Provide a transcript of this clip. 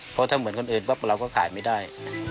เพราะถ้าเหมือนคนอื่นปั๊บเราก็ขายไม่ได้